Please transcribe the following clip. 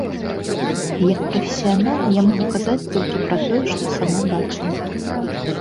Як прафесіянал, я магу казаць толькі пра тое, што сама бачыла.